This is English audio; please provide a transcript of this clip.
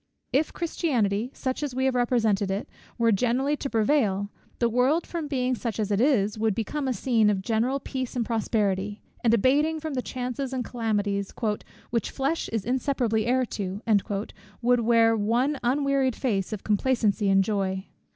If Christianity, such as we have represented it, were generally to prevail; the world, from being such as it is, would become a scene of general peace and prosperity; and abating the chances and calamities "which flesh is inseparably heir to," would wear one unwearied face of complacency and joy.